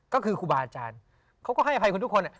ก็คือครูบาอาจารย์เขาก็ให้อภัยคุณทุกคน